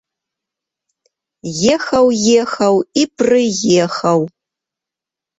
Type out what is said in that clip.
Ехаў, ехаў, і прыехаў.